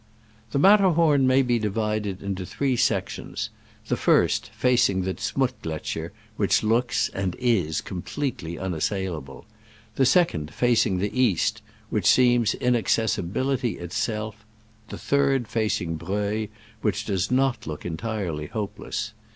The Matterhorn may be divided into three sections— the first facing the Z'Mutt gletscher, which looks, and is, complete ly unassailable; the second facing the east, which seems inaccessibility itself; the third facing Breuil, which does not look entirely hopeless.